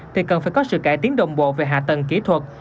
thì cần phải có sự cải tiến đồng bộ về hạ tầng kỹ thuật